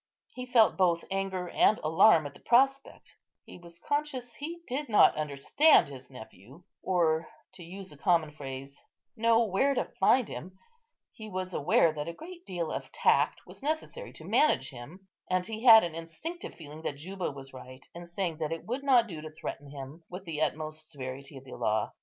He felt both anger and alarm at the prospect; he was conscious he did not understand his nephew, or (to use a common phrase) know where to find him; he was aware that a great deal of tact was necessary to manage him; and he had an instinctive feeling that Juba was right in saying that it would not do to threaten him with the utmost severity of the law.